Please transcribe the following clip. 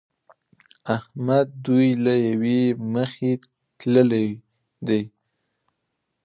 احمد دوی له يوې مخې تللي دي.